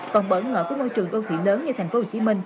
còn bỡ ngợi với môi trường đô thị lớn như tp hcm